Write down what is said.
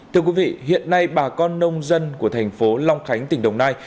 thưa quý vị hiện nay bà con nông dân của thành phố long khánh tỉnh đồng nai